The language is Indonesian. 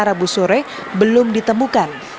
rabu sore belum ditemukan